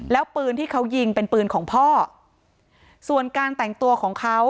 แล้วปืนที่เขายิงเป็นปืนของพ่อส่วนการแต่งตัวของเขา